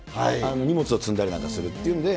荷物を積んだりなんかするっていうんで。